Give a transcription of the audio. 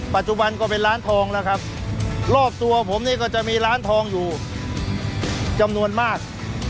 ปัจจุบันก็เป็นร้านทองแล้วครับรอบตัวผมนี่ก็จะมีร้านทองอยู่จำนวนมาก